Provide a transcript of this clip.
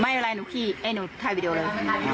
ไม่เป็นไรหนูขี่ไอ้หนูถ่ายวีดีโอเลย